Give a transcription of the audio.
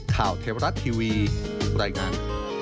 ข่าวเทวรัตน์ทีวีไหล่งาน